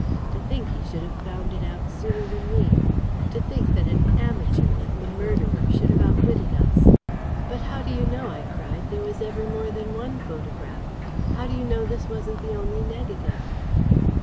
To think he should have found it out sooner than we! To think that an amateur like the murderer should have outwitted us!" "But how do you know," I cried, "there was ever more than one photograph? How do you know this wasn't the only negative?"